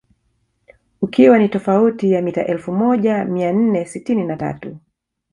Ukiwa ni tofauti ya mita elfu moja mia nne sitini na tatu